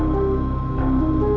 tidak ada yang tahu